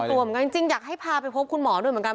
กลัวเหมือนกันจริงอยากให้พาไปพบคุณหมอด้วยเหมือนกัน